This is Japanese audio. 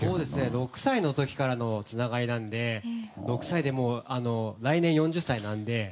６歳の時からのつながりなので６歳で、来年４０歳なんで。